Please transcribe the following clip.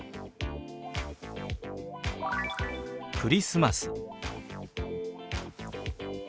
「クリスマス」。